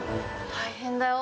大変だよ。